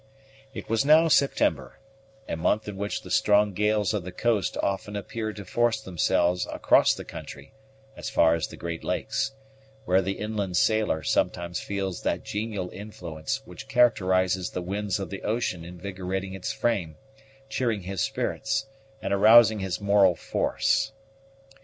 It was now September, a month in which the strong gales of the coast often appear to force themselves across the country as far as the great lakes, where the inland sailor sometimes feels that genial influence which characterizes the winds of the ocean invigorating his frame, cheering his spirits, and arousing his moral force.